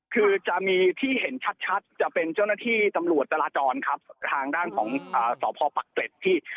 คือจะมีที่เห็นชัดชัดจะเป็นเจ้าหน้าที่ตำรวจจราจรครับทางด้านของอ่าสพปักเกร็ดที่